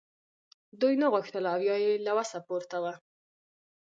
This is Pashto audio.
دوی نه غوښتل او یا یې له وسه پورته وه